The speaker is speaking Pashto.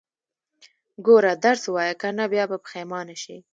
ګوره، درس ووايه، که نه بيا به پښيمانه شې.